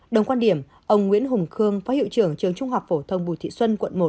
đồng quan điểm ông nguyễn hùng khương phó hiệu trưởng trường trung học phổ thông bùi thị xuân quận một